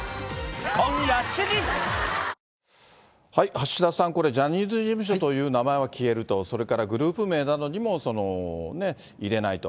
橋田さん、これ、ジャニーズ事務所という名前は消えると、それからグループ名などにもいれないと。